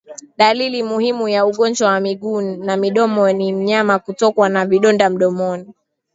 Dalili muhimu ya ugonjwa wa miguu na midomo ni mnyama kutokwa na vidonda mdomoni